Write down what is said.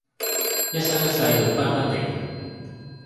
一生一世永不分離